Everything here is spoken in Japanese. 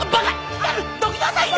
光どきなさいよ！